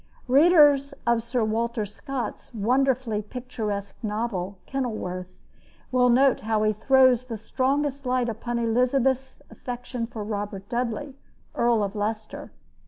Readers of Sir Walter Scott's wonderfully picturesque novel, Kenilworth, will note how he throws the strongest light upon Elizabeth's affection for Robert Dudley, Earl of Leicester.